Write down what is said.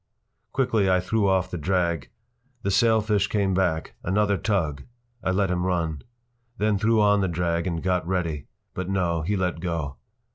Quickly I threw off the drag. The sailfish came back. Another tug! I let him run. Then threw on the drag and got ready. But, no, he let go.